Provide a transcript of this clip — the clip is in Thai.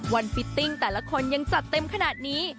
ฟิตติ้งแต่ละคนยังจัดเต็มขนาดนี้